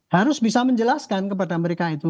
harus bisa menjelaskan kepada mereka itu